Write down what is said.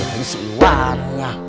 ya si iwan